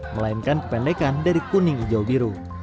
melainkan kependekan dari kuning hijau biru